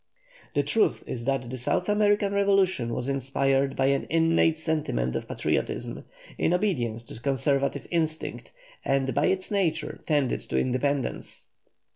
The truth is that the South American revolution was inspired by an innate sentiment of patriotism, in obedience to conservative instinct, and by its nature tended to independence.